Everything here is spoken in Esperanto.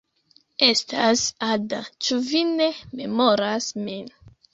Estas Ada. Ĉu vi ne memoras min?